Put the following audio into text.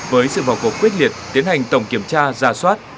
với sự vào cuộc quyết liệt tiến hành tổng kiểm tra giả soát